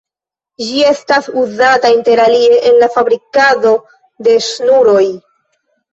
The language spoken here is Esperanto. Ĝi estas uzata interalie en la fabrikado de ŝnuroj.